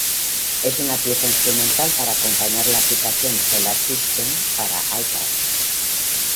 Es una pieza instrumental para acompañar la aplicación Solar System para iPad.